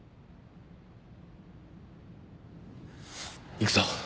行くぞ。